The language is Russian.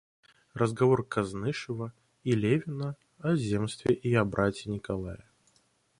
Разговор Кознышева и Левина о земстве и о брате Николае.